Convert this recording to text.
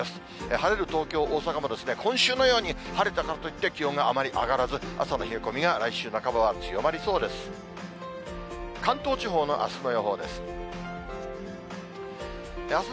晴れる東京、大阪も今週のように晴れたからといって気温があまり上がらず、朝の冷え込みが来週半ばは強まりそうです。